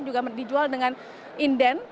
juga dijual dengan inden